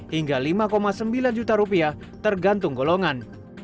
hingga lima sembilan juta rupiah tergantung golongan